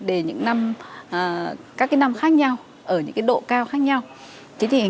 để những năm các cái năm khác nhau ở những độ cao khác nhau